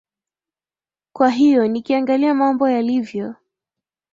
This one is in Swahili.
kwa hiyo nikiangalia mambo yalivyo